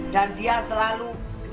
dan dia selalu